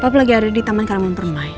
papa lagi ada di taman karimun permai